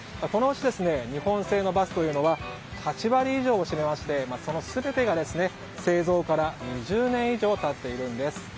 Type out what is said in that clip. このうち、日本製のバスは８割以上を占めましてその全てが製造から２０年以上経っているんです。